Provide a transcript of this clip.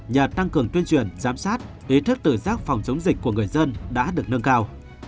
nhà tăng cường tuyên truyền giám sát ý thức tự giác phòng chống dịch của người dân đã được nâng cao